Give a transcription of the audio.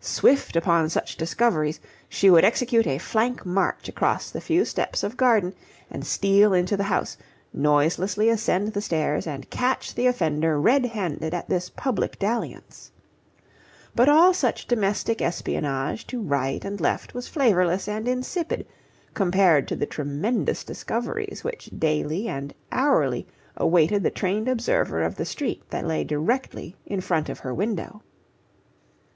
Swift upon such discoveries, she would execute a flank march across the few steps of garden and steal into the house, noiselessly ascend the stairs, and catch the offender red handed at this public dalliance. But all such domestic espionage to right and left was flavourless and insipid compared to the tremendous discoveries which daily and hourly awaited the trained observer of the street that lay directly in front of her window.